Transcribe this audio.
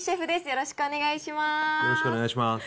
よろしくお願いします。